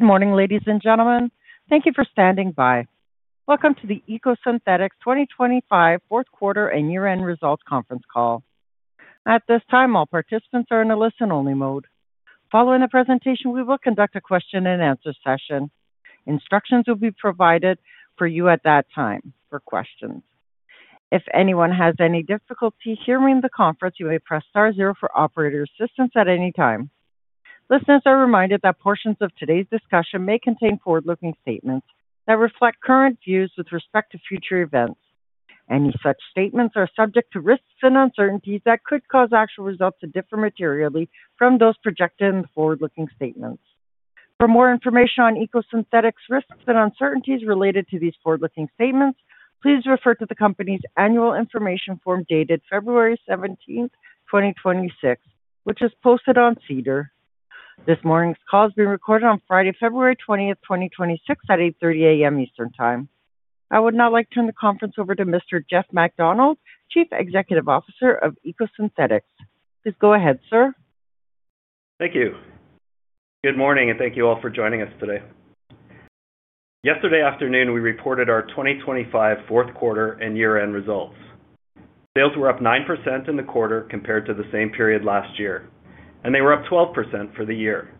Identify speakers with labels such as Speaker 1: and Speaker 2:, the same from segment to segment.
Speaker 1: Good morning, ladies and gentlemen. Thank you for standing by. Welcome to the EcoSynthetix 2025 fourth quarter and year-end results conference call. At this time, all participants are in a listen-only mode. Following the presentation, we will conduct a question and answer session. Instructions will be provided for you at that time for questions. If anyone has any difficulty hearing the conference, you may press star zero for operator assistance at any time. Listeners are reminded that portions of today's discussion may contain forward-looking statements that reflect current views with respect to future events. Any such statements are subject to risks and uncertainties that could cause actual results to differ materially from those projected in the forward-looking statements. For more information on EcoSynthetix risks and uncertainties related to these forward-looking statements, please refer to the company's Annual Information Form, dated February 17, 2026, which is posted on SEDAR. This morning's call is being recorded on Friday, February 20th, 2026, at 8:30 A.M. Eastern Time. I would now like to turn the conference over to Mr. Jeff MacDonald, Chief Executive Officer of EcoSynthetix. Please go ahead, sir.
Speaker 2: Thank you. Good morning, and thank you all for joining us today. Yesterday afternoon, we reported our 2025 fourth quarter and year-end results. Sales were up 9% in the quarter compared to the same period last year, and they were up 12% for the year.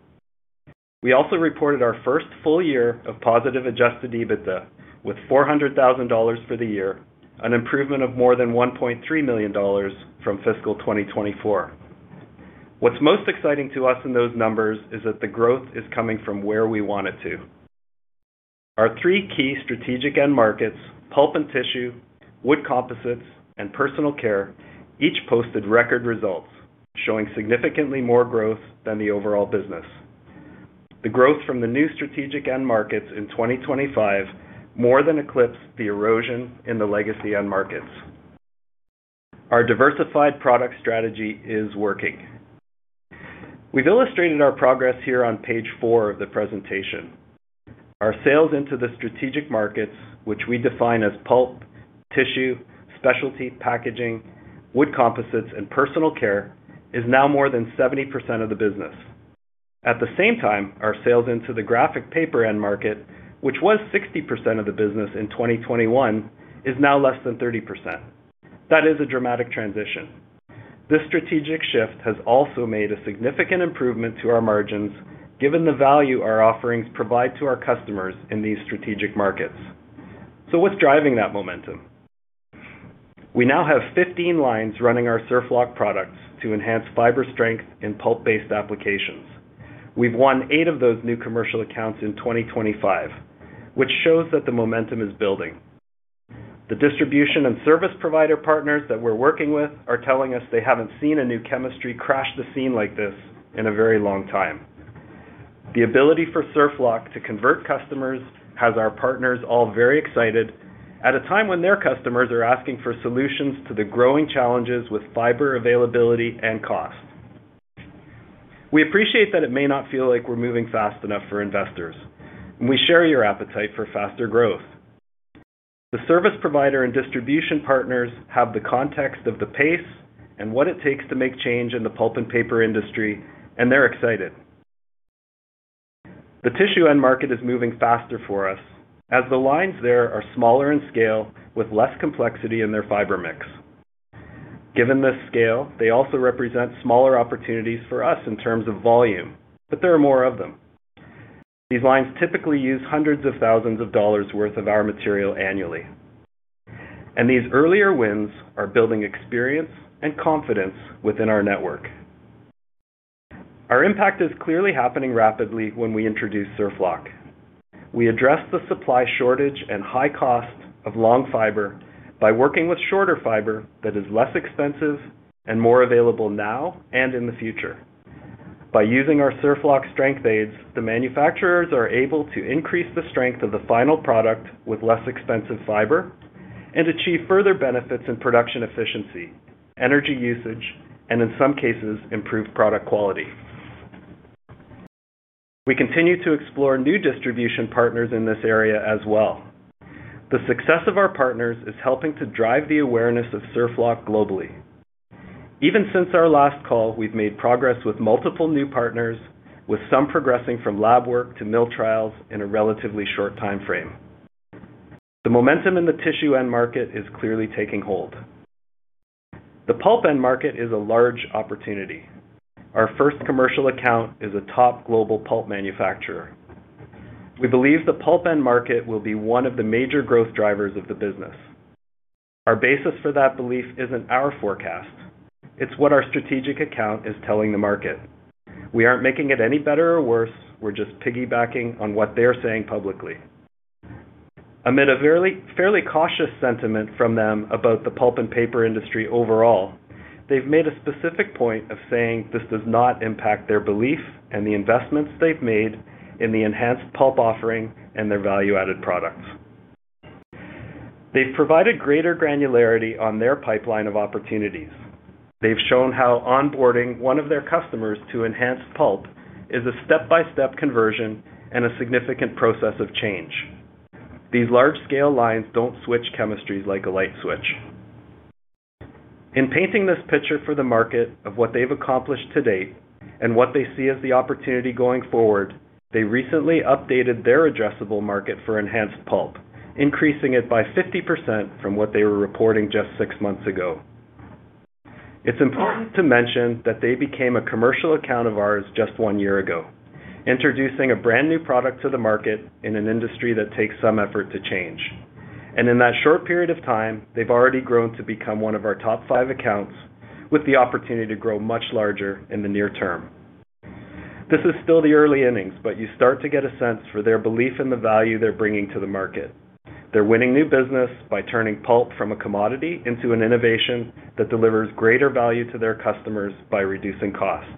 Speaker 2: We also reported our first full year of positive Adjusted EBITDA with 400,000 dollars for the year, an improvement of more than 1.3 million dollars from fiscal 2024. What's most exciting to us in those numbers is that the growth is coming from where we want it to. Our three key strategic end markets, pulp and tissue, wood composites, and personal care, each posted record results, showing significantly more growth than the overall business. The growth from the new strategic end markets in 2025 more than eclipsed the erosion in the legacy end markets. Our diversified product strategy is working. We've illustrated our progress here on page four of the presentation. Our sales into the strategic markets, which we define as pulp, tissue, specialty packaging, wood composites, and personal care, is now more than 70% of the business. At the same time, our sales into the graphic paper end market, which was 60% of the business in 2021, is now less than 30%. That is a dramatic transition. This strategic shift has also made a significant improvement to our margins, given the value our offerings provide to our customers in these strategic markets. So what's driving that momentum? We now have 15 lines running our SurfLock products to enhance fiber strength in pulp-based applications. We've won 8 of those new commercial accounts in 2025, which shows that the momentum is building. The distribution and service provider partners that we're working with are telling us they haven't seen a new chemistry crash the scene like this in a very long time. The ability for SurfLock to convert customers has our partners all very excited at a time when their customers are asking for solutions to the growing challenges with fiber availability and cost. We appreciate that it may not feel like we're moving fast enough for investors, and we share your appetite for faster growth. The service provider and distribution partners have the context of the pace and what it takes to make change in the pulp and paper industry, and they're excited. The tissue end market is moving faster for us as the lines there are smaller in scale with less complexity in their fiber mix. Given this scale, they also represent smaller opportunities for us in terms of volume, but there are more of them. These lines typically use hundreds of thousands of dollars worth of our material annually, and these earlier wins are building experience and confidence within our network. Our impact is clearly happening rapidly when we introduce SurfLock. We address the supply shortage and high cost of long fiber by working with shorter fiber that is less expensive and more available now and in the future. By using our SurfLock strength aids, the manufacturers are able to increase the strength of the final product with less expensive fiber and achieve further benefits in production efficiency, energy usage, and in some cases, improved product quality. We continue to explore new distribution partners in this area as well. The success of our partners is helping to drive the awareness of SurfLock globally. Even since our last call, we've made progress with multiple new partners, with some progressing from lab work to mill trials in a relatively short timeframe. The momentum in the tissue end market is clearly taking hold. The pulp end market is a large opportunity. Our first commercial account is a top global pulp manufacturer. We believe the pulp end market will be one of the major growth drivers of the business. Our basis for that belief isn't our forecast, it's what our strategic account is telling the market. We aren't making it any better or worse, we're just piggybacking on what they're saying publicly. Amid a fairly, fairly cautious sentiment from them about the pulp and paper industry overall, they've made a specific point of saying this does not impact their belief and the investments they've made in the enhanced pulp offering and their value-added products. They've provided greater granularity on their pipeline of opportunities. They've shown how onboarding one of their customers to enhanced pulp is a step-by-step conversion and a significant process of change. These large-scale lines don't switch chemistries like a light switch. In painting this picture for the market of what they've accomplished to date and what they see as the opportunity going forward, they recently updated their addressable market for enhanced pulp, increasing it by 50% from what they were reporting just six months ago. It's important to mention that they became a commercial account of ours just one year ago, introducing a brand new product to the market in an industry that takes some effort to change. In that short period of time, they've already grown to become one of our top five accounts, with the opportunity to grow much larger in the near term. This is still the early innings, but you start to get a sense for their belief in the value they're bringing to the market. They're winning new business by turning pulp from a commodity into an innovation that delivers greater value to their customers by reducing costs,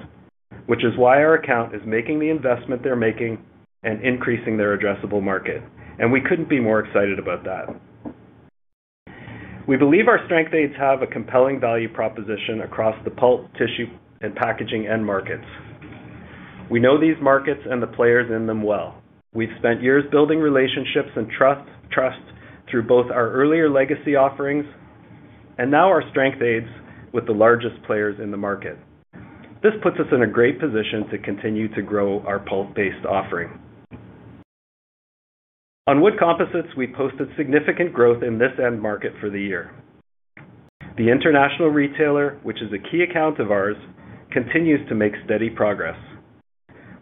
Speaker 2: which is why our account is making the investment they're making and increasing their addressable market, and we couldn't be more excited about that. We believe our strength aids have a compelling value proposition across the pulp, tissue, and packaging end markets. We know these markets and the players in them well. We've spent years building relationships and trust, trust through both our earlier legacy offerings and now our strength aids with the largest players in the market. This puts us in a great position to continue to grow our pulp-based offering. On wood composites, we posted significant growth in this end market for the year. The international retailer, which is a key account of ours, continues to make steady progress.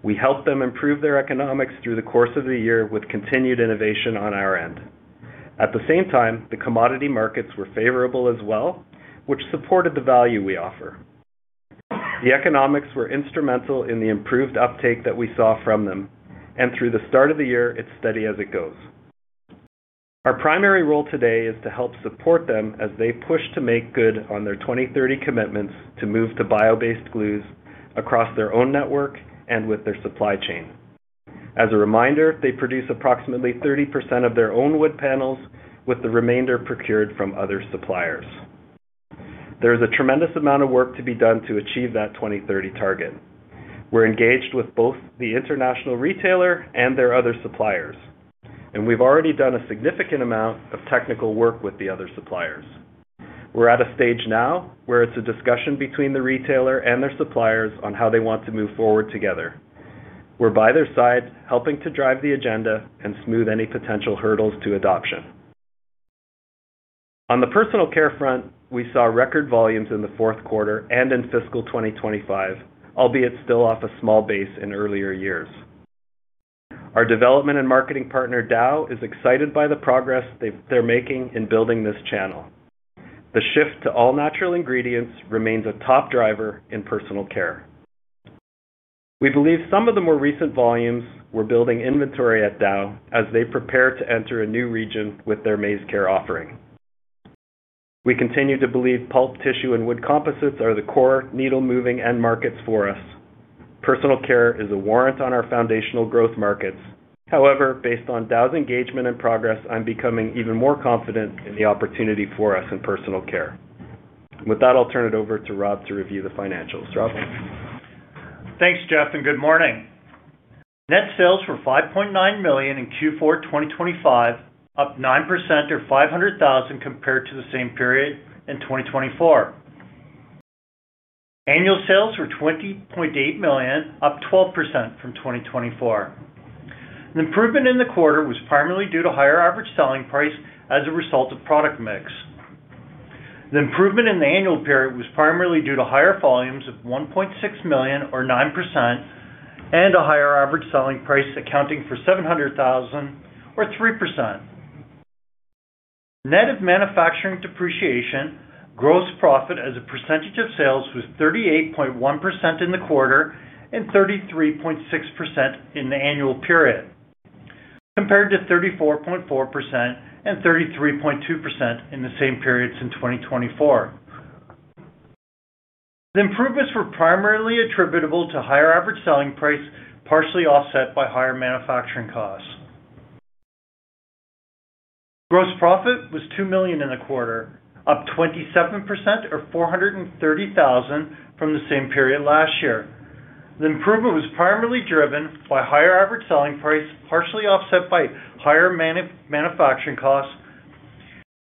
Speaker 2: We helped them improve their economics through the course of the year, with continued innovation on our end. At the same time, the commodity markets were favorable as well, which supported the value we offer. The economics were instrumental in the improved uptake that we saw from them, and through the start of the year, it's steady as it goes. Our primary role today is to help support them as they push to make good on their 2030 commitments to move to bio-based glues across their own network and with their supply chain. As a reminder, they produce approximately 30% of their own wood panels, with the remainder procured from other suppliers. There is a tremendous amount of work to be done to achieve that 2030 target. We're engaged with both the international retailer and their other suppliers, and we've already done a significant amount of technical work with the other suppliers. We're at a stage now where it's a discussion between the retailer and their suppliers on how they want to move forward together. We're by their side, helping to drive the agenda and smooth any potential hurdles to adoption. On the personal care front, we saw record volumes in the fourth quarter and in fiscal 2025, albeit still off a small base in earlier years. Our development and marketing partner, Dow, is excited by the progress they're making in building this channel. The shift to all-natural ingredients remains a top driver in personal care. We believe some of the more recent volumes were building inventory at Dow as they prepare to enter a new region with their MaizeCare offering. We continue to believe pulp, tissue, and wood composites are the core needle-moving end markets for us. Personal care is a warrant on our foundational growth markets. However, based on Dow's engagement and progress, I'm becoming even more confident in the opportunity for us in personal care. With that, I'll turn it over to Rob to review the financials. Rob?
Speaker 3: Thanks, Jeff, and good morning. Net sales were 5.9 million in Q4 2025, up 9% or 500,000 compared to the same period in 2024. Annual sales were 20 million, up 12% from 2024. The improvement in the quarter was primarily due to higher average selling price as a result of product mix. The improvement in the annual period was primarily due to higher volumes of 1.6 million or 9%, and a higher average selling price, accounting for 700,000 or 3%. Net of manufacturing depreciation, gross profit as a percentage of sales was 38.1% in the quarter and 33.6% in the annual period, compared to 34.4% and 33.2% in the same periods in 2024. The improvements were primarily attributable to higher average selling price, partially offset by higher manufacturing costs. Gross profit was 2 million in the quarter, up 27% or 430,000 from the same period last year. The improvement was primarily driven by higher average selling price, partially offset by higher manufacturing costs,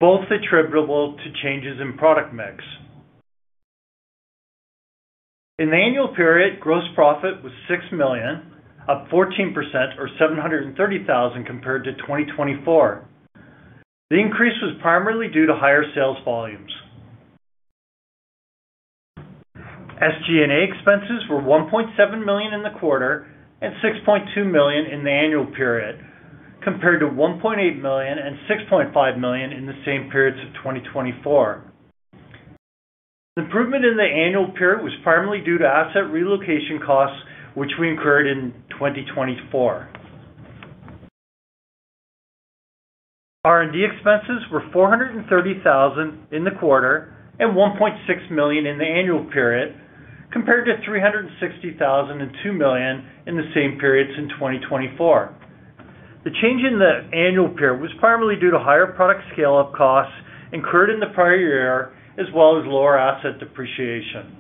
Speaker 3: both attributable to changes in product mix. In the annual period, gross profit was 6 million, up 14% or 730,000 compared to 2024. The increase was primarily due to higher sales volumes. SG&A expenses were 1.7 million in the quarter, and 6.2 million in the annual period, compared to 1.8 million and 6.5 million in the same periods of 2024. The improvement in the annual period was primarily due to asset relocation costs, which we incurred in 2024. R&D expenses were 430,000 in the quarter, and 1.6 million in the annual period, compared to 360,000 and 2 million in the same periods in 2024. The change in the annual period was primarily due to higher product scale-up costs incurred in the prior year, as well as lower asset depreciation.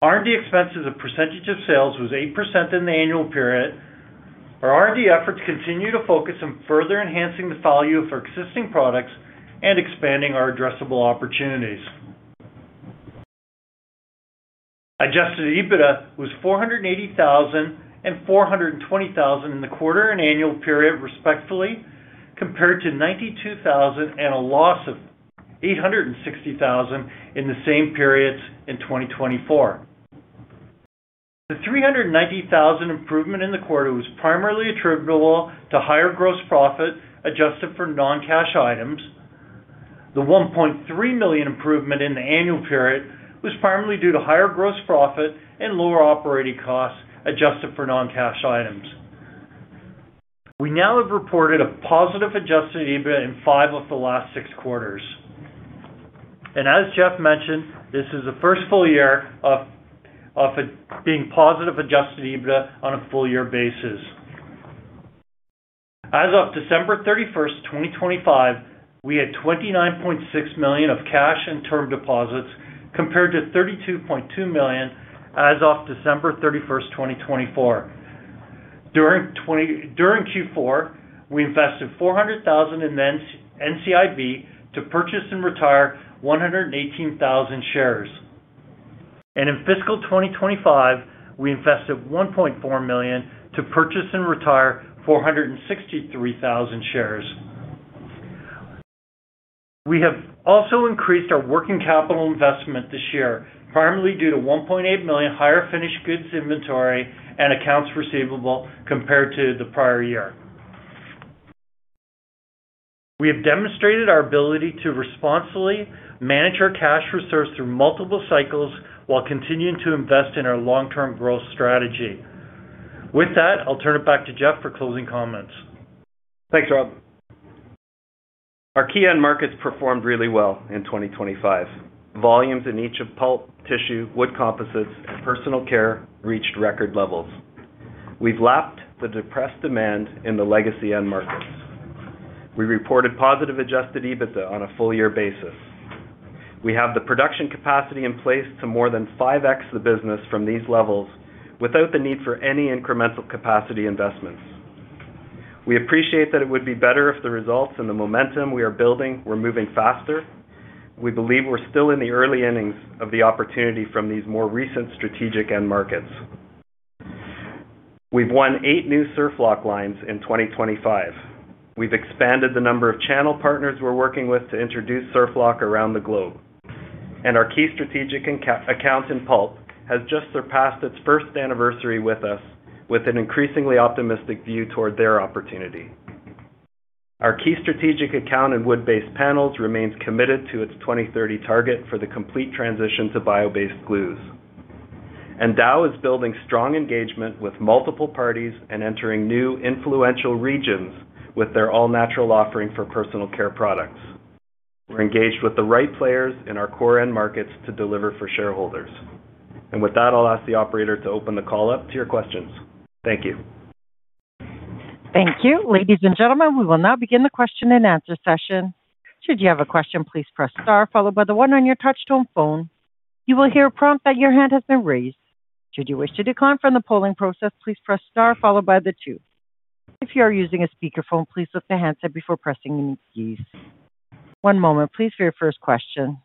Speaker 3: R&D expenses as a percentage of sales was 8% in the annual period. Our R&D efforts continue to focus on further enhancing the value of our existing products and expanding our addressable opportunities. Adjusted EBITDA was 480,000 and 420,000 in the quarter and annual period, respectively, compared to 92,000 and a loss of 860,000 in the same periods in 2024. The 390,000 improvement in the quarter was primarily attributable to higher gross profit, adjusted for non-cash items. The 1.3 million improvement in the annual period was primarily due to higher gross profit and lower operating costs, adjusted for non-cash items. We now have reported a positive Adjusted EBITDA in five of the last six quarters, and as Jeff mentioned, this is the first full year of it being positive Adjusted EBITDA on a full year basis. As of December 31, 2025, we had 29.6 million of cash and term deposits, compared to 32.2 million as of December 31, 2024. During Q4, we invested 400,000 in NCIB to purchase and retire 118,000 shares, and in fiscal 2025, we invested 1.4 million to purchase and retire 463,000 shares. We have also increased our working capital investment this year, primarily due to 1.8 million higher finished goods inventory and accounts receivable compared to the prior year. We have demonstrated our ability to responsibly manage our cash reserves through multiple cycles while continuing to invest in our long-term growth strategy. With that, I'll turn it back to Jeff for closing comments.
Speaker 2: Thanks, Rob. Our key end markets performed really well in 2025. Volumes in each of pulp, tissue, wood composites, and personal care reached record levels. We've lapped the depressed demand in the legacy end markets. We reported positive Adjusted EBITDA on a full year basis. We have the production capacity in place to more than 5x the business from these levels without the need for any incremental capacity investments. We appreciate that it would be better if the results and the momentum we are building were moving faster. We believe we're still in the early innings of the opportunity from these more recent strategic end markets. We've won 8 new SurfLock lines in 2025. We've expanded the number of channel partners we're working with to introduce SurfLock around the globe, and our key strategic accounts in pulp has just surpassed its first anniversary with us with an increasingly optimistic view toward their opportunity. Our key strategic account in wood-based panels remains committed to its 2030 target for the complete transition to bio-based glues. And Dow is building strong engagement with multiple parties and entering new influential regions with their all-natural offering for personal care products. We're engaged with the right players in our core end markets to deliver for shareholders. And with that, I'll ask the operator to open the call up to your questions. Thank you.
Speaker 1: Thank you. Ladies and gentlemen, we will now begin the question-and-answer session. Should you have a question, please press star followed by the one on your touch-tone phone. You will hear a prompt that your hand has been raised. Should you wish to decline from the polling process, please press star followed by the two. If you are using a speakerphone, please lift the handset before pressing any keys. One moment, please, for your first question.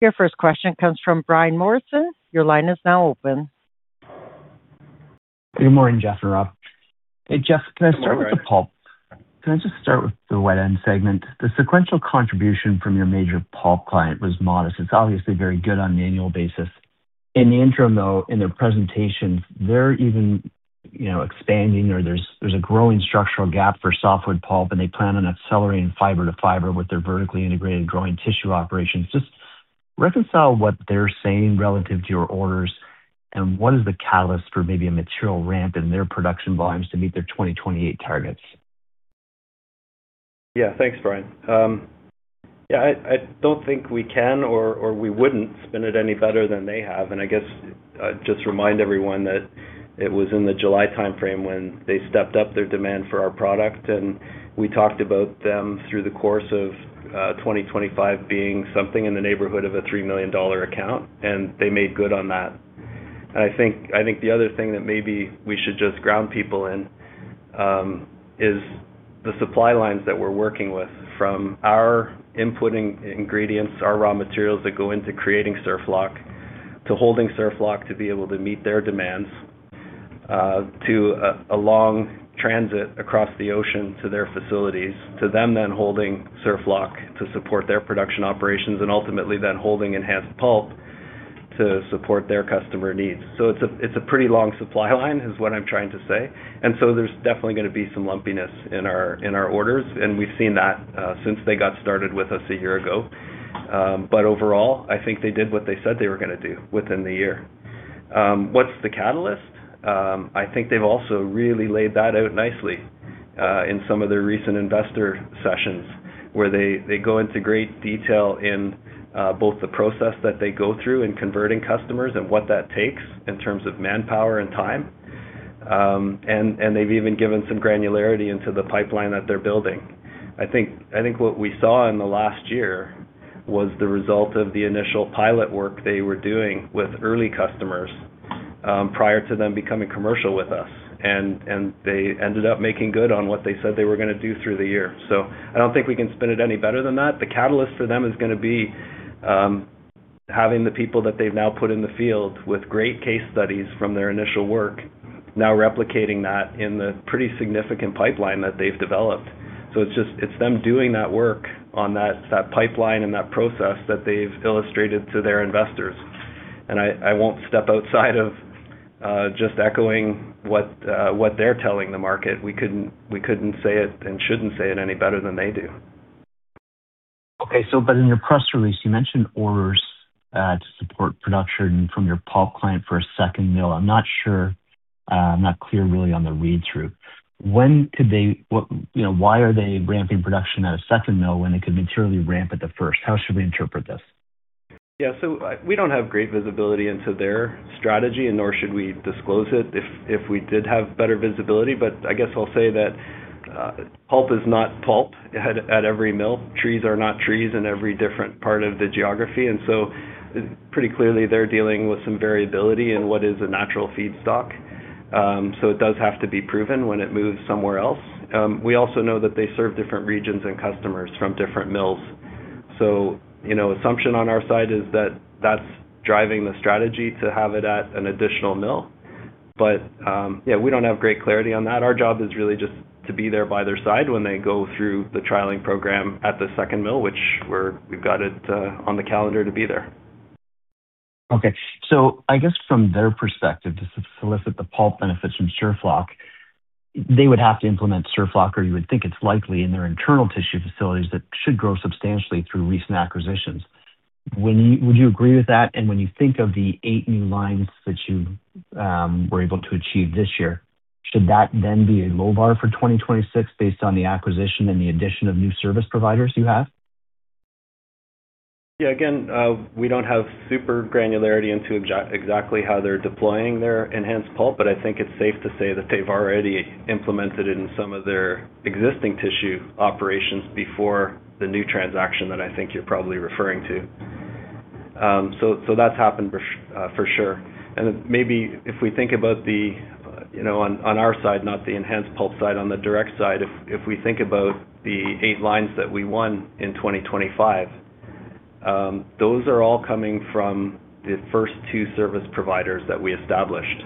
Speaker 1: Your first question comes from Brian Morrison. Your line is now open.
Speaker 4: Good morning, Jeff and Rob. Hey, Jeff, can I start with the pulp? Can I just start with the wet end segment? The sequential contribution from your major pulp client was modest. It's obviously very good on an annual basis. In the intro, though, in their presentations, they're even, you know, expanding or there's a growing structural gap for softwood pulp, and they plan on accelerating fiber-to-fiber with their vertically integrated growing tissue operations. Just reconcile what they're saying relative to your orders, and what is the catalyst for maybe a material ramp in their production volumes to meet their 2028 targets?
Speaker 2: Yeah. Thanks, Brian. Yeah, I don't think we can or we wouldn't spin it any better than they have. And I guess, just remind everyone that it was in the July time frame when they stepped up their demand for our product, and we talked about them through the course of 2025 being something in the neighborhood of a 3 million dollar account, and they made good on that. I think, I think the other thing that maybe we should just ground people in is the supply lines that we're working with, from our inputting ingredients, our raw materials that go into creating SurfLock, to holding SurfLock to be able to meet their demands, to a long transit across the ocean to their facilities, to them then holding SurfLock to support their production operations, and ultimately then holding enhanced pulp to support their customer needs. So it's a pretty long supply line, is what I'm trying to say. And so there's definitely going to be some lumpiness in our orders, and we've seen that since they got started with us a year ago. But overall, I think they did what they said they were going to do within the year. What's the catalyst? I think they've also really laid that out nicely in some of their recent investor sessions, where they go into great detail in both the process that they go through in converting customers and what that takes in terms of manpower and time. And they've even given some granularity into the pipeline that they're building. I think what we saw in the last year was the result of the initial pilot work they were doing with early customers prior to them becoming commercial with us. And they ended up making good on what they said they were gonna do through the year. So I don't think we can spin it any better than that. The catalyst for them is gonna be, having the people that they've now put in the field with great case studies from their initial work, now replicating that in the pretty significant pipeline that they've developed. So it's just, it's them doing that work on that pipeline and that process that they've illustrated to their investors. And I won't step outside of, just echoing what they're telling the market. We couldn't say it and shouldn't say it any better than they do.
Speaker 4: Okay, so but in your press release, you mentioned orders to support production from your pulp client for a second mill. I'm not sure, I'm not clear really on the read-through. When could they, what, you know, why are they ramping production at a second mill when they could materially ramp at the first? How should we interpret this?
Speaker 2: Yeah, so, we don't have great visibility into their strategy, and nor should we disclose it if we did have better visibility. But I guess I'll say that, pulp is not pulp at every mill. Trees are not trees in every different part of the geography, and so pretty clearly, they're dealing with some variability in what is a natural feedstock. So it does have to be proven when it moves somewhere else. We also know that they serve different regions and customers from different mills. So, you know, assumption on our side is that that's driving the strategy to have it at an additional mill. But, yeah, we don't have great clarity on that. Our job is really just to be there by their side when they go through the trialing program at the second mill, which we've got it on the calendar to be there.
Speaker 4: Okay. So I guess from their perspective, to solicit the pulp benefits from SurfLock, they would have to implement SurfLock, or you would think it's likely in their internal tissue facilities that should grow substantially through recent acquisitions. When you would you agree with that? And when you think of the 8 new lines that you were able to achieve this year, should that then be a low bar for 2026, based on the acquisition and the addition of new service providers you have?
Speaker 2: Yeah, again, we don't have super granularity into exactly how they're deploying their enhanced pulp, but I think it's safe to say that they've already implemented it in some of their existing tissue operations before the new transaction that I think you're probably referring to. So that's happened for sure. And maybe if we think about the, you know, on our side, not the enhanced pulp side, on the direct side, if we think about the eight lines that we won in 2025, those are all coming from the first two service providers that we established.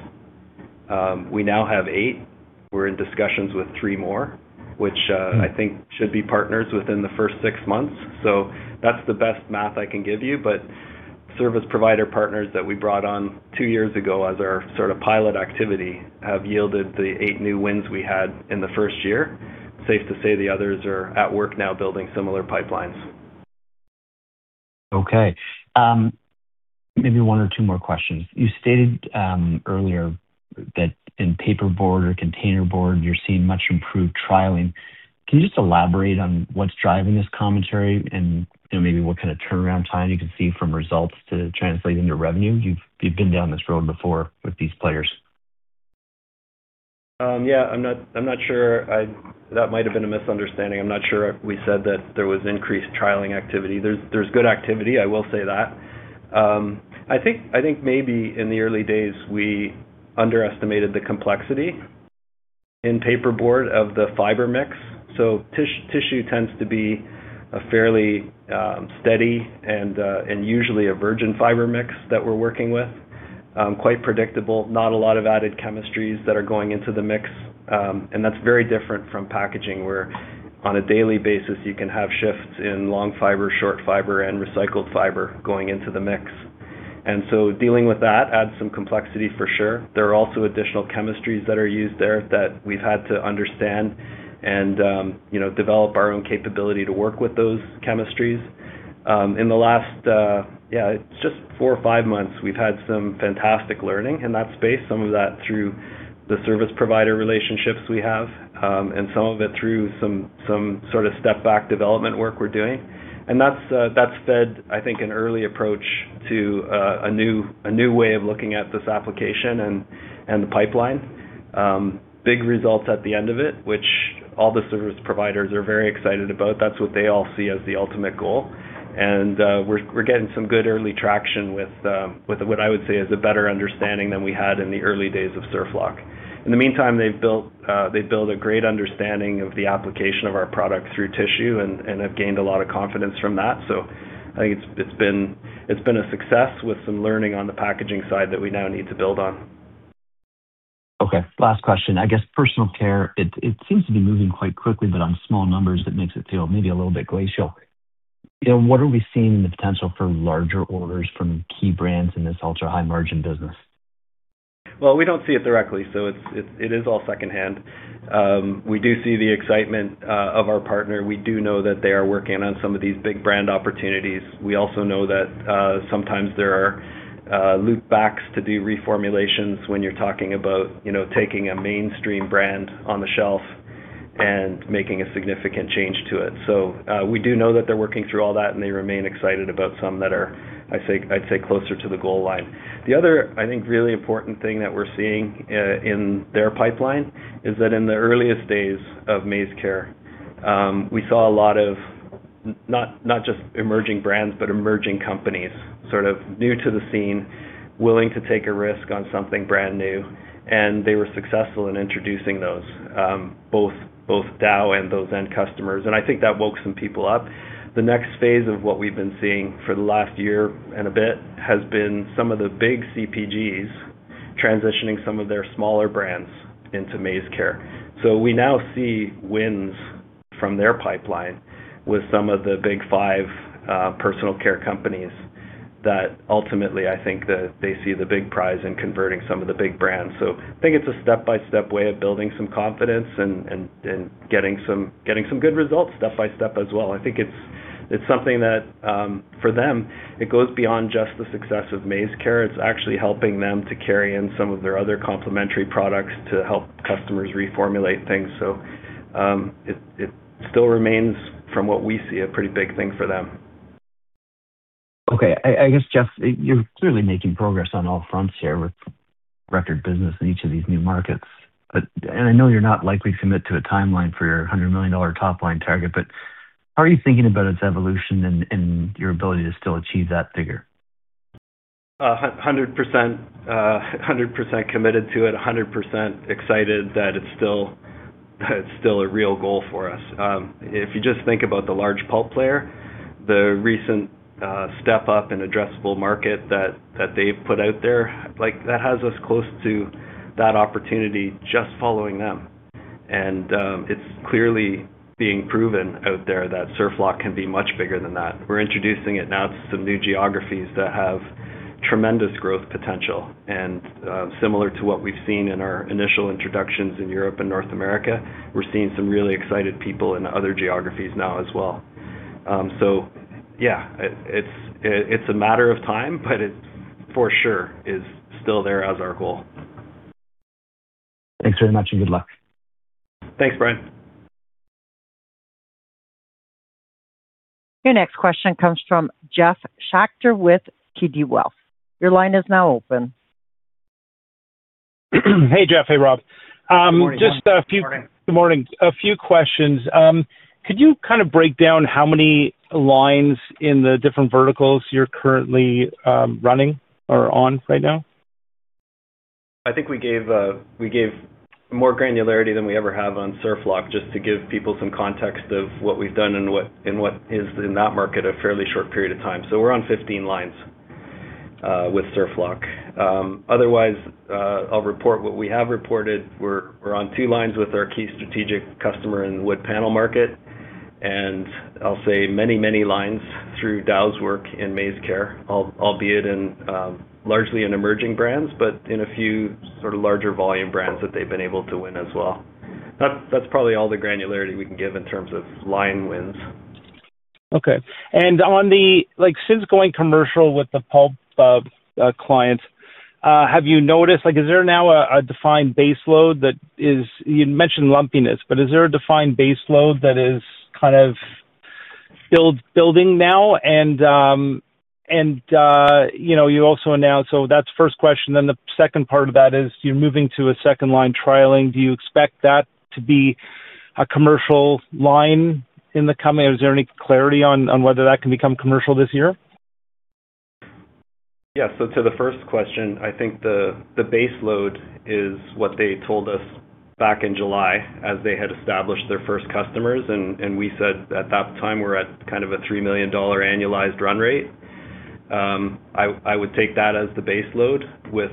Speaker 2: We now have eight. We're in discussions with three more, which I think should be partners within the first six months. So that's the best math I can give you. But service provider partners that we brought on two years ago as our sort of pilot activity, have yielded the eight new wins we had in the first year. Safe to say the others are at work now, building similar pipelines.
Speaker 4: Okay. Maybe one or two more questions. You stated earlier that in paperboard or containerboard, you're seeing much improved trialing. Can you just elaborate on what's driving this commentary and, you know, maybe what kind of turnaround time you can see from results to translate into revenue? You've been down this road before with these players.
Speaker 2: Yeah, I'm not sure. That might have been a misunderstanding. I'm not sure if we said that there was increased trialing activity. There's good activity, I will say that. I think maybe in the early days, we underestimated the complexity in paperboard of the fiber mix. So, tissue tends to be a fairly steady and usually a virgin fiber mix that we're working with. Quite predictable, not a lot of added chemistries that are going into the mix. And that's very different from packaging, where on a daily basis, you can have shifts in long fiber, short fiber, and recycled fiber going into the mix. And so dealing with that adds some complexity for sure. There are also additional chemistries that are used there that we've had to understand and, you know, develop our own capability to work with those chemistries. In the last, just four or five months, we've had some fantastic learning in that space. Some of that through the service provider relationships we have, and some of it through some sort of step-back development work we're doing. And that's fed, I think, an early approach to a new way of looking at this application and the pipeline. Big results at the end of it, which all the service providers are very excited about. That's what they all see as the ultimate goal, and we're getting some good early traction with what I would say is a better understanding than we had in the early days of SurfLock. In the meantime, they've built a great understanding of the application of our product through tissue and have gained a lot of confidence from that. So I think it's been a success with some learning on the packaging side that we now need to build on.
Speaker 4: Okay, last question. I guess personal care, it seems to be moving quite quickly, but on small numbers, it makes it feel maybe a little bit glacial. You know, what are we seeing in the potential for larger orders from key brands in this ultra-high-margin business?
Speaker 2: Well, we don't see it directly, so it is all secondhand. We do see the excitement of our partner. We do know that they are working on some of these big brand opportunities. We also know that sometimes there are loop backs to do reformulations when you're talking about, you know, taking a mainstream brand on the shelf, and making a significant change to it. So, we do know that they're working through all that, and they remain excited about some that are, I'd say, closer to the goal line. The other, I think, really important thing that we're seeing in their pipeline is that in the earliest days of MaizeCare, we saw a lot of not just emerging brands, but emerging companies, sort of new to the scene, willing to take a risk on something brand new. And they were successful in introducing those, both Dow and those end customers, and I think that woke some people up. The next phase of what we've been seeing for the last year and a bit has been some of the big CPGs transitioning some of their smaller brands into MaizeCare. So we now see wins from their pipeline with some of the big five personal care companies, that ultimately, I think that they see the big prize in converting some of the big brands. So I think it's a step-by-step way of building some confidence and getting some good results step by step as well. I think it's something that for them, it goes beyond just the success of MaizeCare. It's actually helping them to carry in some of their other complementary products to help customers reformulate things. So it still remains, from what we see, a pretty big thing for them.
Speaker 4: Okay. I guess, Jeff, you're clearly making progress on all fronts here with record business in each of these new markets. But and I know you're not likely to commit to a timeline for your 100 million dollar top line target, but how are you thinking about its evolution and your ability to still achieve that figure?
Speaker 2: A hundred percent, hundred percent committed to it, 100% excited that it's still, it's still a real goal for us. If you just think about the large pulp player, the recent step up in addressable market that they've put out there, like, that has us close to that opportunity just following them. And, it's clearly being proven out there that Surflock can be much bigger than that. We're introducing it now to some new geographies that have tremendous growth potential. And, similar to what we've seen in our initial introductions in Europe and North America, we're seeing some really excited people in other geographies now as well. So yeah, it, it's, it's a matter of time, but it, for sure, is still there as our goal.
Speaker 4: Thanks very much, and good luck.
Speaker 2: Thanks, Brian.
Speaker 1: Your next question comes from Jeff Schacter with TD Wealth. Your line is now open.
Speaker 5: Hey, Jeff. Hey, Rob.
Speaker 2: Good morning, Jeff.
Speaker 5: Just a few-
Speaker 2: Good morning.
Speaker 5: Good morning. A few questions. Could you kind of break down how many lines in the different verticals you're currently running or on right now?
Speaker 2: I think we gave more granularity than we ever have on Surflock, just to give people some context of what we've done and what is in that market in a fairly short period of time. So we're on 15 lines with SurfLock. Otherwise, I'll report what we have reported. We're on two lines with our key strategic customer in wood panel market, and I'll say many, many lines through Dow's work in MaizeCare, albeit in largely emerging brands, but in a few sort of larger volume brands that they've been able to win as well. That's probably all the granularity we can give in terms of line wins.
Speaker 5: Okay. And on the, like, since going commercial with the pulp clients, have you noticed, like, is there now a defined baseload that is you mentioned lumpiness, but is there a defined baseload that is kind of building now? And, you know, you also announced, so that's the first question, then the second part of that is, you're moving to a second line trialing. Do you expect that to be a commercial line in the coming or is there any clarity on whether that can become commercial this year?
Speaker 2: Yes. So to the first question, I think the baseload is what they told us back in July, as they had established their first customers, and we said at that time, we're at kind of a 3 million dollar annualized run rate. I would take that as the baseload with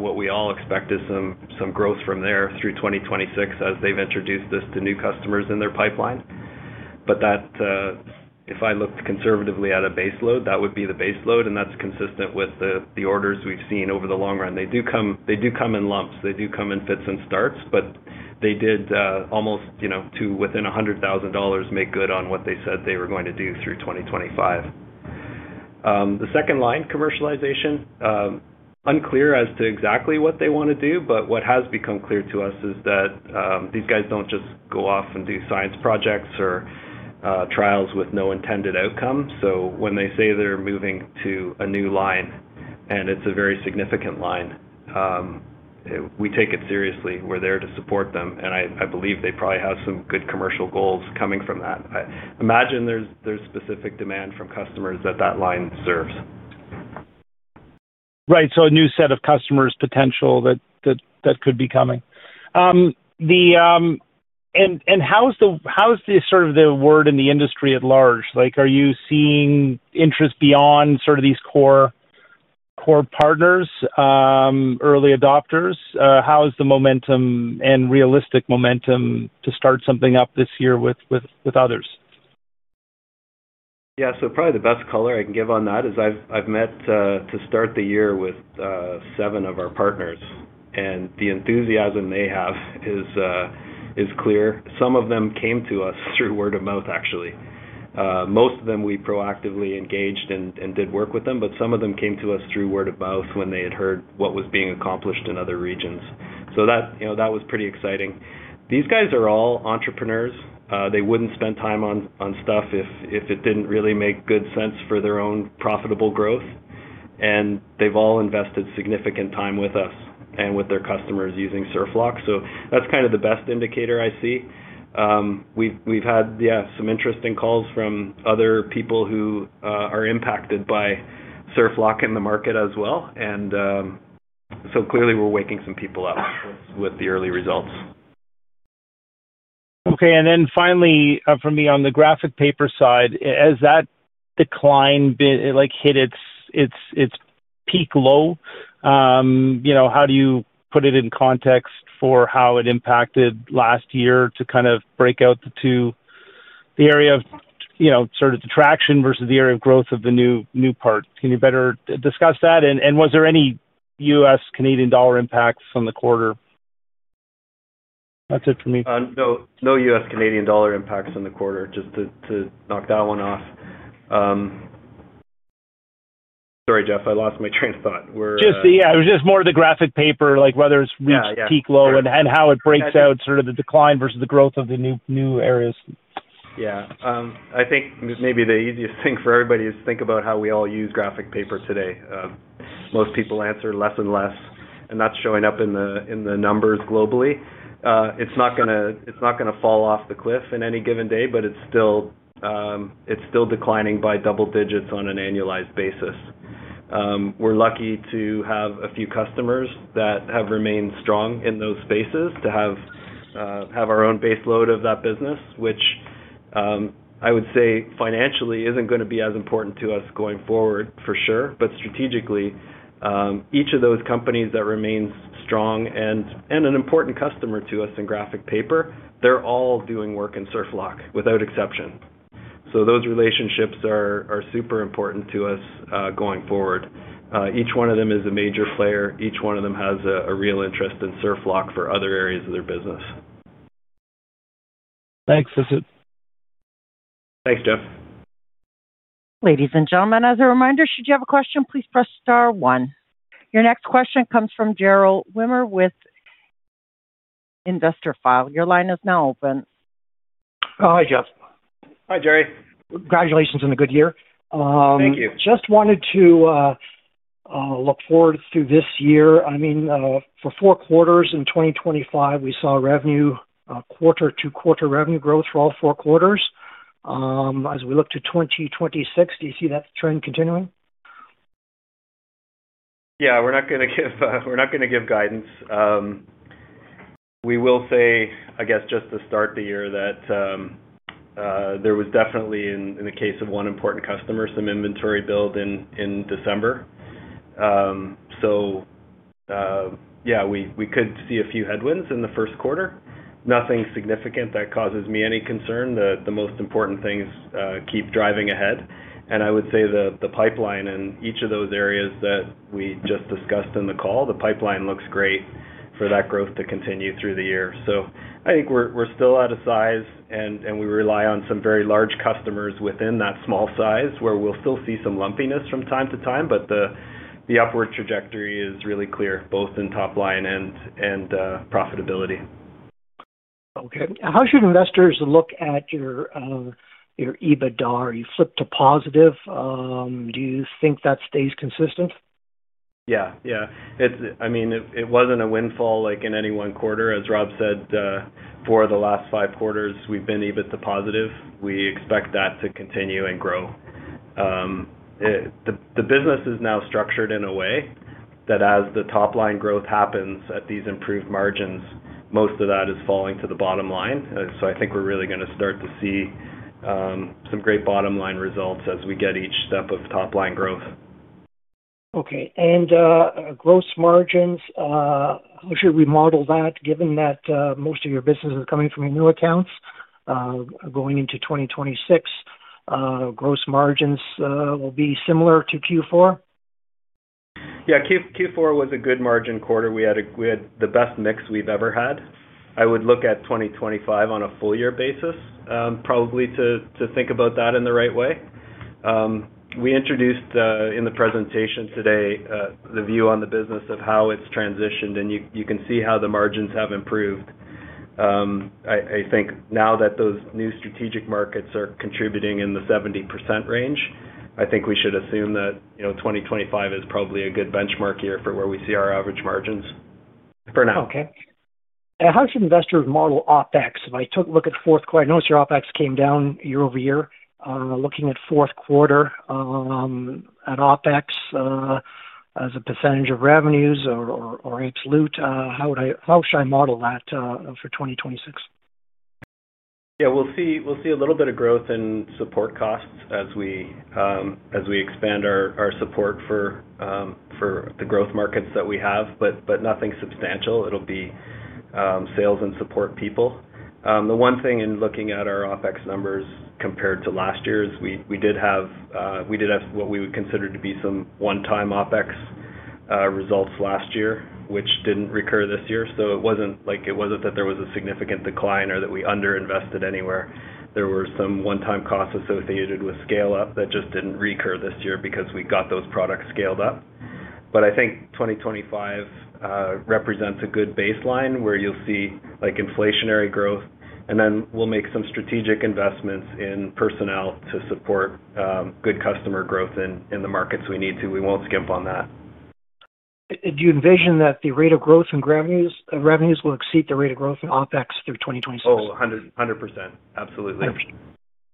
Speaker 2: what we all expect is some growth from there through 2026, as they've introduced this to new customers in their pipeline. But that, if I looked conservatively at a baseload, that would be the baseload, and that's consistent with the orders we've seen over the long run. They do come, they do come in lumps. They do come in fits and starts, but they did almost, you know, to within a 100,000 dollars, make good on what they said they were going to do through 2025. The second line, commercialization, unclear as to exactly what they want to do, but what has become clear to us is that, these guys don't just go off and do science projects or, trials with no intended outcome. So when they say they're moving to a new line, and it's a very significant line, we take it seriously. We're there to support them, and I believe they probably have some good commercial goals coming from that. I imagine there's specific demand from customers that that line serves.
Speaker 5: Right. So a new set of customers potential that could be coming. And how's the sort of word in the industry at large? Like, are you seeing interest beyond sort of these core partners, early adopters? How is the momentum and realistic momentum to start something up this year with others?
Speaker 2: Yeah. So probably the best color I can give on that is I've met to start the year with seven of our partners, and the enthusiasm they have is clear. Some of them came to us through word of mouth, actually. Most of them, we proactively engaged and did work with them, but some of them came to us through word of mouth when they had heard what was being accomplished in other regions. So that, you know, that was pretty exciting. These guys are all entrepreneurs. They wouldn't spend time on stuff if it didn't really make good sense for their own profitable growth. And they've all invested significant time with us and with their customers using SurfLock. So that's kind of the best indicator I see. We've had, yeah, some interesting calls from other people who are impacted by SurfLock in the market as well, and so clearly we're waking some people up with the early results.
Speaker 5: Okay. And then finally, for me, on the graphic paper side, has that decline been, like, hit its peak low? You know, how do you put it in context for how it impacted last year to kind of break out the two, the area of, you know, sort of the traction versus the area of growth of the new parts? Can you better discuss that? And was there any U.S., Canadian dollar impacts on the quarter? That's it for me.
Speaker 2: No U.S., Canadian dollar impacts on the quarter, just to knock that one off. Sorry, Jeff, I lost my train of thought. We're-
Speaker 5: Just, yeah, it was just more of the graphic paper, like whether it's-
Speaker 2: Yeah, yeah.
Speaker 5: -reached peak low and how it breaks out, sort of the decline versus the growth of the new areas.
Speaker 2: Yeah. I think maybe the easiest thing for everybody is think about how we all use graphic paper today. Most people answer less and less, and that's showing up in the numbers globally. It's not gonna fall off the cliff in any given day, but it's still declining by double digits on an annualized basis. We're lucky to have a few customers that have remained strong in those spaces, to have our own baseload of that business, which I would say financially isn't gonna be as important to us going forward for sure. But strategically, each of those companies that remains strong and an important customer to us in graphic paper, they're all doing work in Surflock without exception. So those relationships are super important to us going forward. Each one of them is a major player. Each one of them has a real interest in SurfLock for other areas of their business.
Speaker 5: Thanks, that's it.
Speaker 2: Thanks, Jeff.
Speaker 1: Ladies and gentlemen, as a reminder, should you have a question, please press star one. Your next question comes from Gerald Wimmer with Investorfile. Your line is now open.
Speaker 6: Oh, hi, Jeff.
Speaker 2: Hi, Gerry.
Speaker 6: Congratulations on the good year.
Speaker 2: Thank you.
Speaker 6: Just wanted to look forward to this year. I mean, for four quarters in 2025, we saw revenue quarter-to-quarter revenue growth for all four quarters. As we look to 2026, do you see that trend continuing?
Speaker 2: Yeah, we're not gonna give guidance. We will say, I guess, just to start the year, that there was definitely, in the case of one important customer, some inventory build in December. So, yeah, we could see a few headwinds in the first quarter. Nothing significant that causes me any concern. The most important thing is keep driving ahead. And I would say the pipeline in each of those areas that we just discussed in the call, the pipeline looks great for that growth to continue through the year. So I think we're still out of size, and we rely on some very large customers within that small size, where we'll still see some lumpiness from time to time, but the upward trajectory is really clear, both in top line and profitability.
Speaker 6: Okay. How should investors look at your, your EBITDA? You flipped to positive. Do you think that stays consistent?
Speaker 2: Yeah, yeah. It's, I mean, it wasn't a windfall like in any one quarter. As Rob said, for the last five quarters, we've been EBIT to positive. We expect that to continue and grow. It. The business is now structured in a way that as the top line growth happens at these improved margins, most of that is falling to the bottom line. So I think we're really gonna start to see, some great bottom line results as we get each step of top line growth.
Speaker 6: Okay. And gross margins, how should we model that, given that most of your business is coming from your new accounts? Going into 2026, gross margins will be similar to Q4?
Speaker 2: Yeah, Q4 was a good margin quarter. We had the best mix we've ever had. I would look at 2025 on a full year basis, probably to think about that in the right way. We introduced in the presentation today the view on the business of how it's transitioned, and you can see how the margins have improved. I think now that those new strategic markets are contributing in the 70% range, I think we should assume that, you know, 2025 is probably a good benchmark year for where we see our average margins for now.
Speaker 6: Okay. How should investors model OpEx? If I took a look at the fourth quarter, I noticed your OpEx came down year-over-year. Looking at fourth quarter, at OpEx, as a percentage of revenues or absolute, how would I- How should I model that for 2026?
Speaker 2: Yeah, we'll see, we'll see a little bit of growth in support costs as we, as we expand our, our support for, for the growth markets that we have, but, but nothing substantial. It'll be, sales and support people. The one thing in looking at our OpEx numbers compared to last year's, we, we did have, we did have what we would consider to be some one-time OpEx, results last year, which didn't recur this year. So it wasn't like, it wasn't that there was a significant decline or that we underinvested anywhere. There were some one-time costs associated with scale-up that just didn't recur this year because we got those products scaled up. But I think 2025 represents a good baseline where you'll see, like, inflationary growth, and then we'll make some strategic investments in personnel to support good customer growth in the markets we need to. We won't skimp on that.
Speaker 6: Do you envision that the rate of growth in revenues, revenues will exceed the rate of growth in OpEx through 2026?
Speaker 2: Oh, 100, 100%. Absolutely.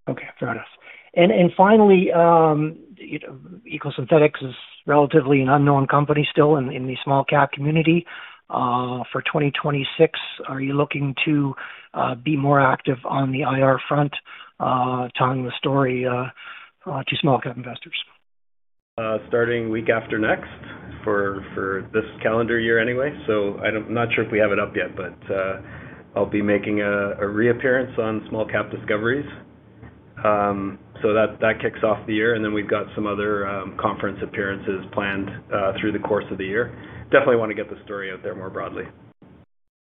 Speaker 6: Okay, fair enough. And finally, you know, EcoSynthetix is relatively an unknown company still in the small cap community. For 2026, are you looking to be more active on the IR front, telling the story to small cap investors?
Speaker 2: Starting week after next, for this calendar year anyway. So I'm not sure if we have it up yet, but I'll be making a reappearance on Small Cap Discoveries. So that kicks off the year, and then we've got some other conference appearances planned through the course of the year. Definitely want to get the story out there more broadly.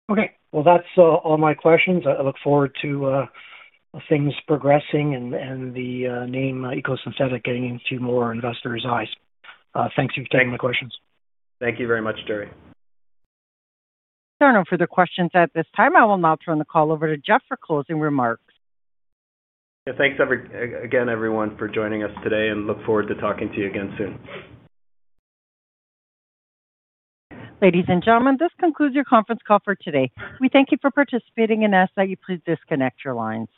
Speaker 6: Okay. Well, that's all my questions. I look forward to things progressing and the name EcoSynthetix getting into more investors' eyes. Thanks for taking the questions.
Speaker 2: Thank you very much, Gerry.
Speaker 1: There are no further questions at this time. I will now turn the call over to Jeff for closing remarks.
Speaker 2: Yeah, thanks everyone for joining us today, and look forward to talking to you again soon.
Speaker 1: Ladies and gentlemen, this concludes your conference call for today. We thank you for participating and ask that you please disconnect your lines.